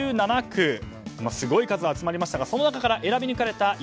すごい数が集まりましたがその中から選ばれました